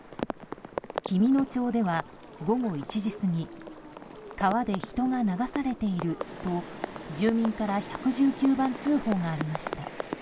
紀美野町では午後１時過ぎ川で人が流されていると住民から１１９番通報がありました。